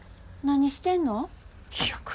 何してんの？